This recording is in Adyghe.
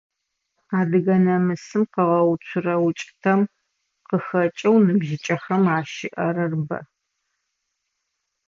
Адыгэ намысым къыгъэуцурэ укӀытэм къыхэкӀэу ныбжьыкӀэхэм ащыӀэрэр бэ.